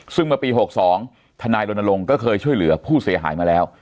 ซึ่งเมื่อปี๖๒ทนายรณรงค์ก็เคยช่วยเหลือผู้เสียหายมาแล้ว